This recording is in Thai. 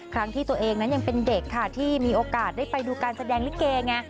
ครั้งที่ตัวเองนั้นยังเป็นเด็กค่ะที่มีโอกาสได้ไปดูการแสดงลิเกไง